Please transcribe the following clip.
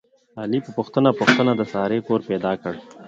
علي په پوښته پوښتنه د سارې کور پیدا کړ.